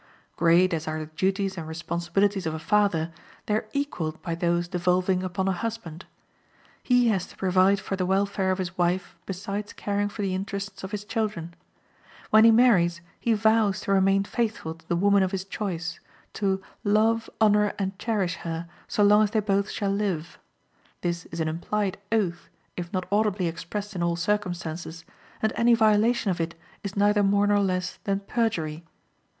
Great as are the duties and responsibilities of a father, they are equaled by those devolving upon a husband. He has to provide for the welfare of his wife besides caring for the interests of his children. When he marries he vows to remain faithful to the woman of his choice, to "love, honor, and cherish her" so long as they both shall live. This is an implied oath, if not audibly expressed in all circumstances, and any violation of it is neither more nor less than perjury.